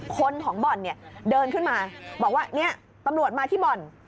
คนของบ่อนเนี่ยเดินขึ้นมาบอกว่าเนี่ยตำรวจมาที่บ่อน